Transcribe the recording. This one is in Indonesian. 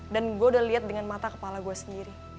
dan gue udah liat dengan mata kepala gue sendiri